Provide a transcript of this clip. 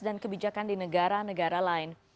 dan kebijakan di negara negara lain